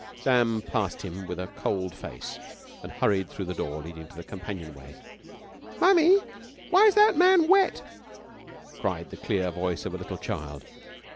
Sam passed him with a cold face and hurried through the door leading to the companion way. "Mummie, why is that man wet?" cried the clear voice of a little child.